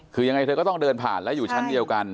คือยังไงเธอก็ต้องเดินผ่านแล้วอยู่ชั้นเดียวกัน